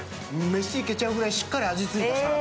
飯いけちゃうぐらい、しっかり味がついてますね。